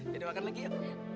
yaudah makan lagi ya